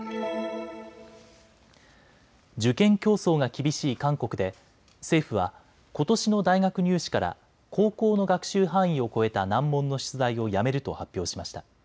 受験競争が厳しい韓国で政府はことしの大学入試から高校の学習範囲を超えた難問の出題をやめると発表しました。